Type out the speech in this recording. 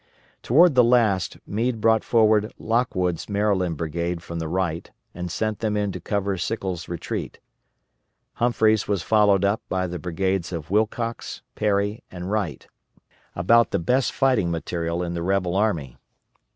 Toward the last Meade brought forward Lockwood's Maryland brigade from the right and sent them in to cover Sickles' retreat. Humphreys was followed up by the brigades of Wilcox, Perry, and Wright about the best fighting material in the rebel army.